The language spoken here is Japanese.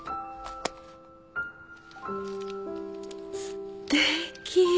すてき。